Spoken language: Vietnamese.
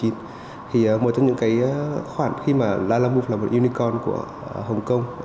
thì một trong những cái khoản khi mà lalamove là một unicorn của hồng kông